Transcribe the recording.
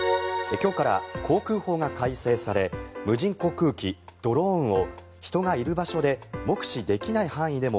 今日から航空法が改正され無人航空機、ドローンを人がいる場所で目視できない範囲でも